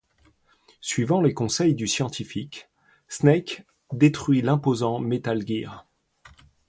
Suivant les conseils du scientifique, Snake détruit l'imposant Metal Gear.